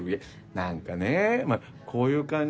何かねこういう感じ